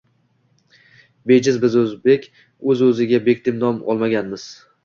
Bejiz biz o‘zbek – o‘z-o‘ziga bek deb nom olmaganmiz